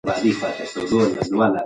سود مه خورئ.